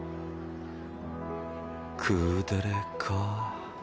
クーデレかぁ